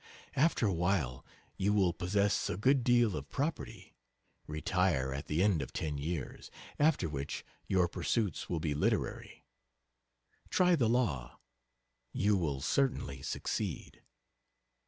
After a while you will possess a good deal of property retire at the end of ten years after which your pursuits will be literary try the law you will certainly succeed.